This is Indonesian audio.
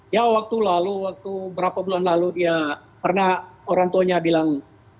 ya waktu lalu waktu berapa bulan lalu dia pernah orang tuanya bilang